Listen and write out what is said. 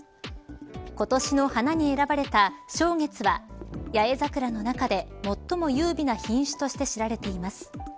今年の花に選ばれた松月は八重桜の中で最も優美な品種として知られています。